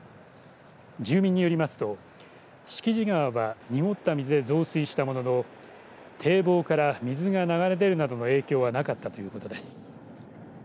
住民によりますと敷地川は濁った水で増水したものの堤防から水が流れ出るなどの影響はなかったということです。